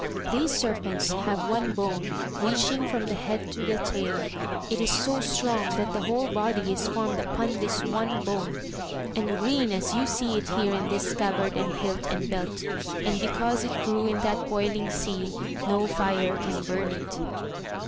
These serpents have one bone reaching from the head to the tail, it is so strong that the whole body is formed upon this one bone, and green as you see it here in this scabbard and hUt and belt, and because it grew in that boiUng sea no fire can bum it.